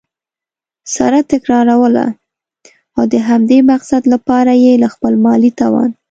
سره تكراروله؛ او د همدې مقصد له پاره یي له خپل مالي توان